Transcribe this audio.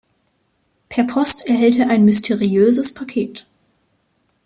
Per Post erhält er ein mysteriöses Paket.